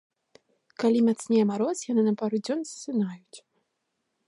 Калі мацнее мароз, яны на пару дзён засынаюць.